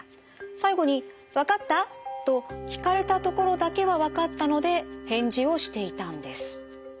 最後に「わかった？」と聞かれたところだけはわかったので返事をしていたんです。